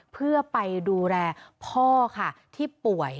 เพื่อไปดูแลพ่อค่ะที่ป่วย